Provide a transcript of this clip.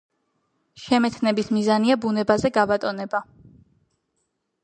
შემეცნების მიზანია ბუნებაზე გაბატონება.